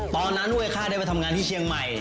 ตอนนั้นเว้ยข้าได้ไปทำงานที่เชียงใหม่